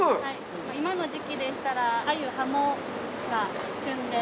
今の時期でしたらアユハモが旬で。